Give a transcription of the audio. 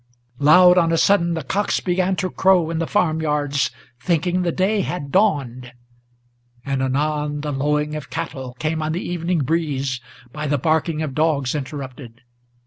Loud on a sudden the cocks began to crow in the farm yards, Thinking the day had dawned; and anon the lowing of cattle Came on the evening breeze, by the barking of dogs interrupted.